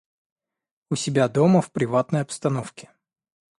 у себя дома, в приватной обстановке.